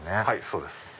はいそうです。